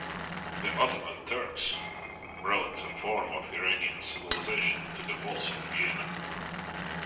The Ottoman Turks brought a form of Iranian civilization to the walls of Vienna.